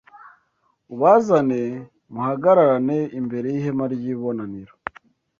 ubazane muhagararane imbere y’Ihema ry’i bonaniro.